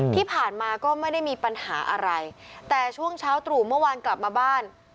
ที่ผ่านมาก็ไม่ได้มีปัญหาอะไรแต่ช่วงเช้าตรู่เมื่อวานกลับมาบ้าน